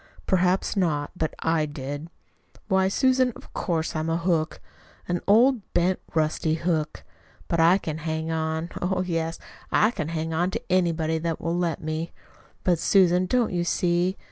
"Perhaps not; but I did. Why, Susan, of course I'm a hook an old, bent, rusty hook. But I can hang on oh, yes, I can hang on to anybody that will let me! But, Susan, don't you see?